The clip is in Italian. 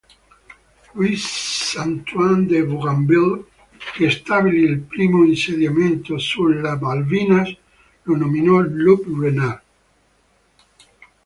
Louis Antoine de Bougainville, che stabilì il primo insediamento sulle Falkland, lo nominò "loup-renard".